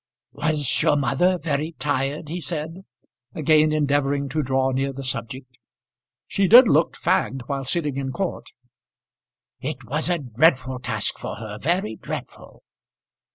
"Was your mother very tired?" he said, again endeavouring to draw near the subject. "She did looked fagged while sitting in court." "It was a dreadful task for her, very dreadful."